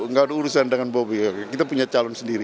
nggak ada urusan dengan bobi kita punya calon sendiri